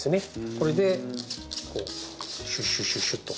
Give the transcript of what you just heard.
これでシュッシュッシュッシュッと。